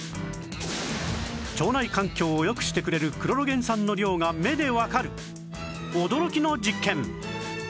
腸内環境を良くしてくれるクロロゲン酸の量が目でわかる驚きの実験